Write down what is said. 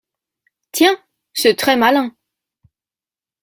Tiens ! c’est très malin.